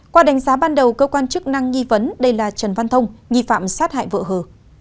qua đánh giá ban đầu cơ quan chức năng nghi vấn đây là trần văn thông nghi phạm sát hại vợ hờ